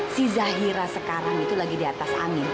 si zahira sekarang itu lagi di atas angin